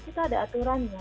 kita ada aturannya